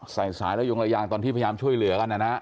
สายสายระยงระยางตอนที่พยายามช่วยเหลือกันนะฮะ